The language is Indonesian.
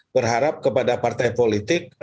berharap kepada partai politik